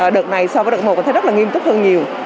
đợt này so với đợt một thấy rất là nghiêm túc hơn nhiều